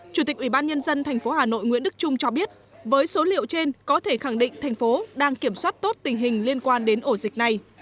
chủ tịch ủy ban nhân dân thành phố hà nội nguyễn đức trung cho biết với số liệu trên có thể khẳng định thành phố đang kiểm soát tốt tình hình liên quan đến ổ dịch này